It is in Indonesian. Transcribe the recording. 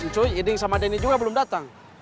cuy iding sama denny juga belum datang